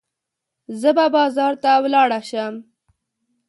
زه به بازار ته ولاړه شم.